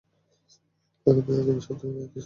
আমি আগামী সপ্তাহে ওদের সাথে কথা বলবো।